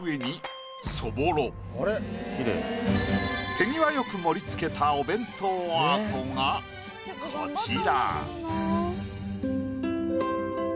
手際よく盛り付けたお弁当アートがこちら。